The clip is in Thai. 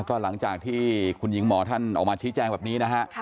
ก็หลังจากที่คุณหญิงหมอท่านออกมาชี้แจงแบบนี้นะฮะ